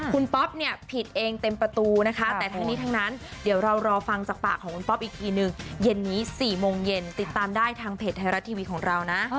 คุณป๊อปเนี่ยผิดเองเต็มประตูนะคะแต่ทั้งนี้ทั้งนั้นเดี๋ยวเรารอฟังจากปากของคุณป๊อปอีกทีนึงเย็นนี้๔โมงเย็นติดตามได้ทางเพจไทยรัฐทีวีของเรานะ